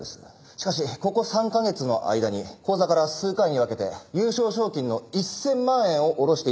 しかしここ３カ月の間に口座から数回に分けて優勝賞金の１０００万円を下ろしていた事がわかりました。